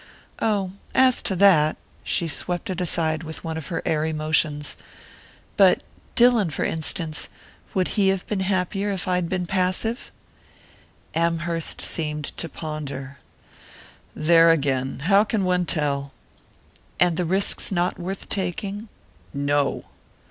"Oh, as to that !" She swept it aside with one of her airy motions. "But Dillon, for instance would he have been happier if I'd been passive?" Amherst seemed to ponder. "There again how can one tell?" "And the risk's not worth taking?" "No!"